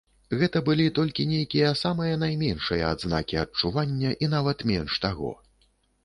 Гэта былі толькі нейкія, самыя найменшыя адзнакі адчування, і нават менш таго.